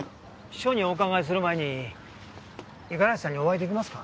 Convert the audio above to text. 署にお伺いする前に五十嵐さんにお会い出来ますか？